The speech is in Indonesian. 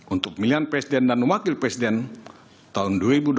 untuk pilihan presiden dan wakil presiden tahun dua ribu dua puluh